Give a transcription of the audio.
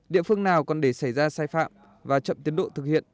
địa phương nào còn để xảy ra sai phạm và chậm tiến độ thực hiện